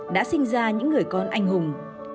đã sinh ra những người con anh hùng